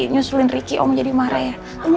nyusulin ricky om jadi marah ya